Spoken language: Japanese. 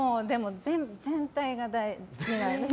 全体が好きなんです。